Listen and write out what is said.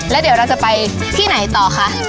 แล้วเดี๋ยวเราจะไปที่ไหนต่อคะ